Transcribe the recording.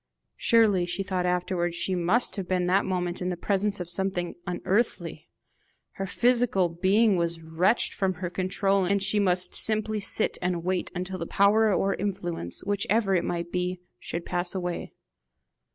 Surely, she thought afterwards, she must have been that moment in the presence of something unearthly! Her physical being was wrenched from her control, and she must simply sit and wait until the power or influence, whichever it might be, should pass away.